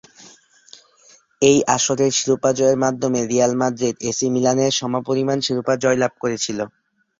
এই আসরের শিরোপা জয়ের মাধ্যমে রিয়াল মাদ্রিদ এসি মিলানের সমপরিমাণ শিরোপা জয়লাভ করেছিল।